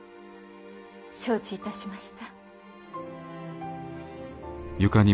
承知いたしました。